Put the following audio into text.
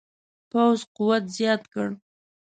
پوځ قوت زیات کړ.